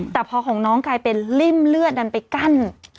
แต่พอของน้องกลายเป็นริ่มเลือดดันไปกั้น